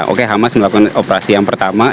oke hamas melakukan operasi yang pertama